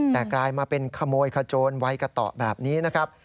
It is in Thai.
แต่กลายมาเป็นขโมยขโจรวัยกระต่อแบบนี้นะครับ